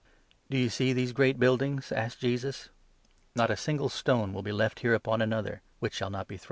" Do you see these great buildings?" asked 2 Jesus. " Not a single stone will be left here upon another, which shall not be thrown down."